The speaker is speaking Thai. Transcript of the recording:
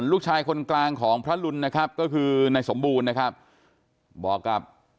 ลูกชายคนโตนะคะ